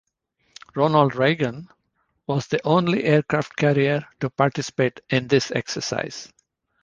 "Ronald Reagan" was the only aircraft carrier to participate in this exercise.